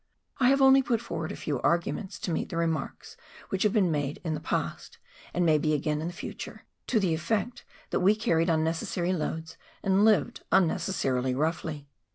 I have only put forward a few arguments to meet the remarks which have been made in the past, and may be again in the future, to the effect that we carried unnecessary loads and lived unnecessarily roughly.